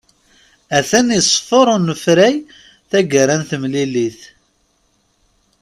Atan iṣeffer unefray taggara n temlilit.